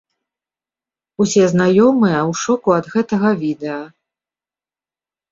Усе знаёмыя ў шоку ад гэтага відэа.